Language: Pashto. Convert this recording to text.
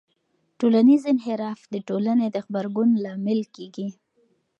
ټولنیز انحراف د ټولنې د غبرګون لامل کېږي.